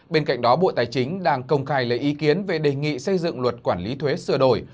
bên cạnh đó bộ tài chính đang công khai lấy ý kiến về đề nghị xây dựng luật quản lý thuế sửa đổi